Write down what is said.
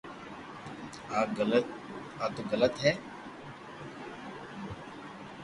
آ تو غلط ھي